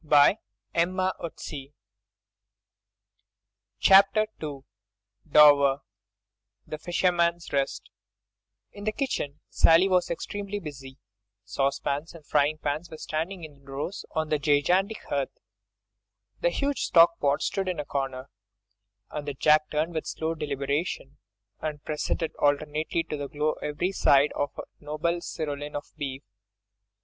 CHAPTER II. "THE FISHERMAN'S REST" In the kitchen Sally was extremely busy—saucepans and frying pans were standing in rows on the gigantic hearth, the huge stock pot stood in a corner, and the jack turned with slow deliberation, and presented alternately to the glow every side of a noble sirloin of beef.